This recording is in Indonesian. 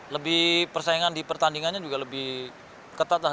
lebih persaingan di pertandingannya juga lebih ketat lah